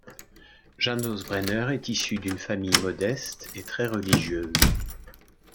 Janos Brenner est issu d'une famille modeste et très religieuse.